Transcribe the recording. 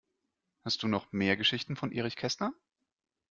Hast du noch mehr Geschichten von Erich Kästner?